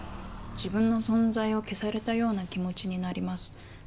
自分の存在を消されたような気持ちになります。